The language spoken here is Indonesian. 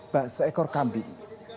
pak seekor kambing